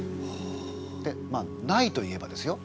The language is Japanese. まあないといえばですよ